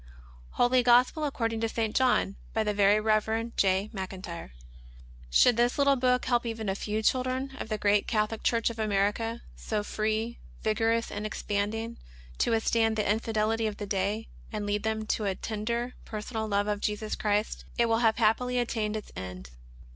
Holy Gospel According to St. John, by the Very Rev. J. Maclntyre. Should this little book help even a few children of the great Catholic Church of America, so free, vigorous, and expanding, to withstand the infidelity of the day, and lead them to a tender, personal love of Jesus Christ, it will have happily attained its end.